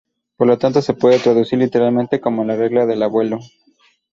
Por lo tanto, se puede traducir literalmente como "regla del abuelo".